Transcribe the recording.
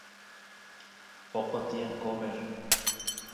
poqo tiyan qomer